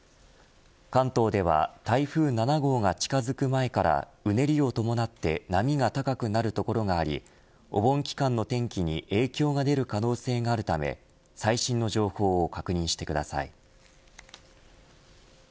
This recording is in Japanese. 関東では台風７号が近づく前からうねりを伴って波が高くなる所がありお盆期間の天気に影響が出る可能性があるため最新の情報を確認してください。